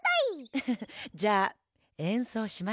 ウフフ。じゃあえんそうしましょうか。